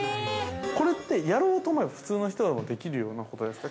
◆やろうと思えば普通の人でもできるようなことですか。